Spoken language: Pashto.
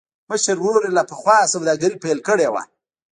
مشر ورور يې لا پخوا سوداګري پيل کړې وه.